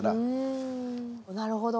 なるほど。